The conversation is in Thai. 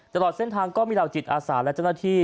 ตลอดเส้นทางก็มีเหล่าจิตอาสาและเจ้าหน้าที่